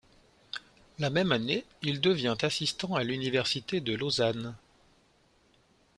La même année, il devient assistant à l'Université de Lausanne.